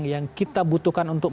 yang kita butuhkan untuk